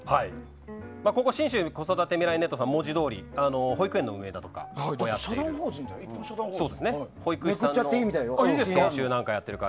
信州子育てみらいネットさんは文字どおり保育園の運営だとかをやっている。